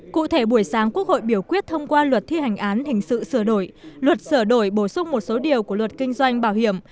cụ thể buổi sáng quốc hội biểu quyết thông qua luật thi hành án hình sự sửa đổi luật sửa đổi bổ sung một số điều của luật kinh doanh bảo hiểm